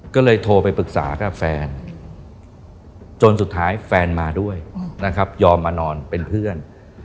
ก็เลยโทรไปปรึกษากับแฟนจนสุดท้ายแฟนมาด้วยนะครับยอมมานอนเป็นเพื่อน